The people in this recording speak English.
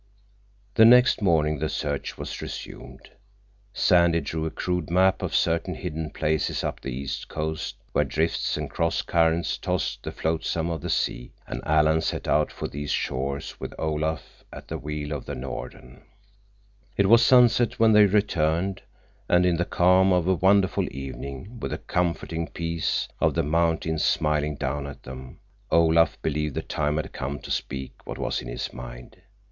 The next morning the search was resumed. Sandy drew a crude map of certain hidden places up the east coast where drifts and cross currents tossed the flotsam of the sea, and Alan set out for these shores with Olaf at the wheel of the Norden. It was sunset when they returned, and in the calm of a wonderful evening, with the comforting peace of the mountains smiling down at them, Olaf believed the time had come to speak what was in his mind.